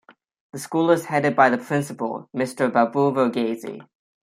The school is headed by the Principal Mr. Babu Varghese.